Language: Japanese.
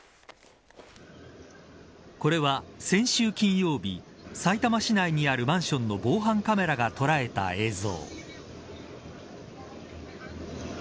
これは、先週金曜日さいたま市内にあるマンションの防犯カメラが捉えた映像。